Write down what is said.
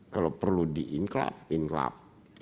kalau perlu di inklav inklav